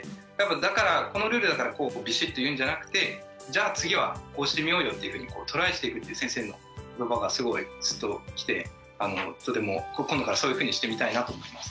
だからこのルールだからこうこうビシッと言うんじゃなくてじゃあ次はこうしてみようよっていうふうにトライしていくって先生の言葉がすごいスッときてとても今度からそういうふうにしてみたいなと思います。